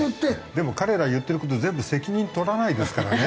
でも彼ら言ってる事全部責任取らないですからね。